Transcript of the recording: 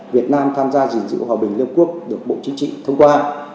việt nam tham gia dình dữ hòa bình liên hợp quốc được bộ chính trị thông qua